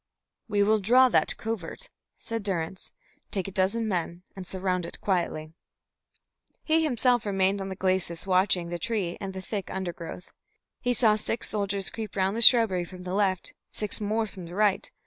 "We will draw that covert," said Durrance. "Take a dozen men and surround it quietly." He himself remained on the glacis watching the tree and the thick undergrowth. He saw six soldiers creep round the shrubbery from the left, six more from the right.